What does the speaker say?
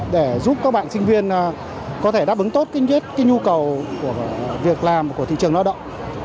để giúp các bạn sinh viên có thể đáp ứng tốt nhu cầu của việc làm và của thị trường lao động